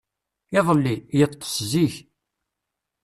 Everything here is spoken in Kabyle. Iḍelli, yeṭṭes zik.